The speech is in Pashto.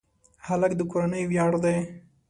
هلک د کورنۍ ویاړ دی.